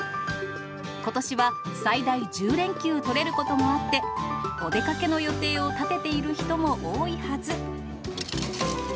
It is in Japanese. ことしは最大１０連休取れることもあって、お出かけの予定を立てている人も多いはず。